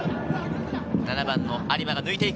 ７番の有馬が抜いて行く。